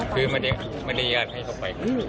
คือไม่ได้ยาดให้เข้าไป